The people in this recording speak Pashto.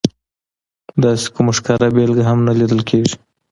داسې کومه ښکاره بېلګه هم نه لیدل کېږي.